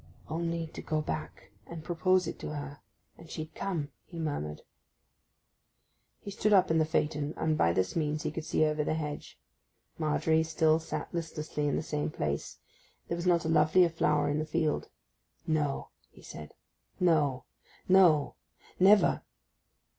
'Only to go back and propose it to her, and she'd come!' he murmured. He stood up in the phaeton, and by this means he could see over the hedge. Margery still sat listlessly in the same place; there was not a lovelier flower in the field. 'No,' he said; 'no, no—never!